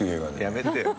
やめてよ。